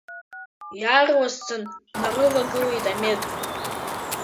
Иаарласӡан днарывагылеит амед.